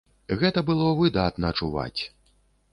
Гэта было выдатна чуваць.